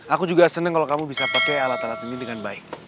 aku juga senang kalau kamu bisa pakai alat alat ini dengan baik